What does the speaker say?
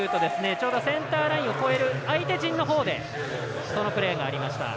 ちょうどセンターラインを越える相手陣のほうでそのプレーがありました。